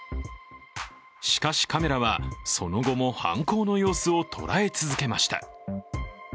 しかし、カメラはその後も犯行の様子を捉え続けました。